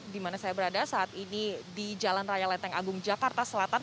di mana saya berada saat ini di jalan raya lenteng agung jakarta selatan